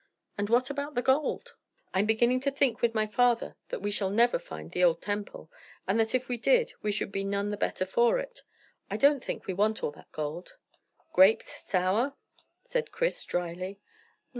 "And what about the gold?" "Ah, the gold! I'm beginning to think with my father that we shall never find the old temple, and that if we did we should be none the better for it. I don't think we want all that gold." "Grapes sour?" said Chris dryly.